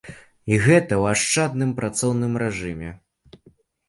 І гэта ў ашчадным працоўным рэжыме.